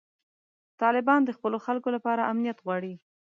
طالبان د خپلو خلکو لپاره امنیت غواړي.